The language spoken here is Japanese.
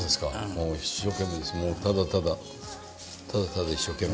もう一生懸命ただただただただ一生懸命。